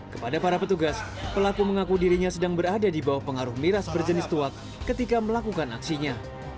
kepada para petugas pelaku mengaku dirinya sedang berada di bawah pengaruh miras berjenis tuak ketika melakukan aksinya